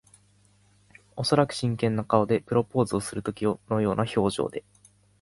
おそらく真剣な顔で。プロポーズをするときのような表情で。